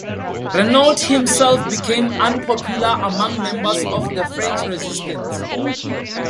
Renault himself became unpopular among members of the French resistance.